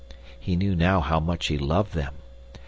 He knew now how much he loved them.